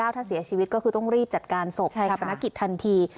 ถ้าเสียชีวิตก็คือต้องรีบจัดการสกใช่ค่ะชาบอันกิจทันที